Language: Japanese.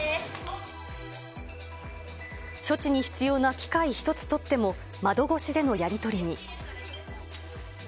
処置に必要な機械一つとっても窓越しでのやり取りに。